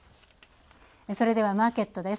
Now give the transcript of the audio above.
それではマーケットです。